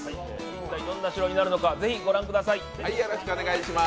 一体どんな城になるのか、是非ご覧ください。